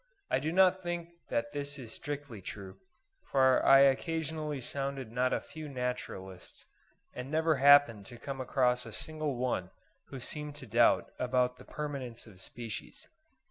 I do not think that this is strictly true, for I occasionally sounded not a few naturalists, and never happened to come across a single one who seemed to doubt about the permanence of species.